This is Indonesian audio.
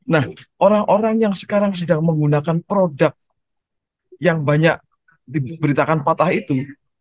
nah orang orang yang sekarang sedang menggunakan produk yang banyak diberitakan patah itu